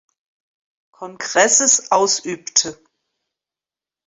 Kongresses ausübte.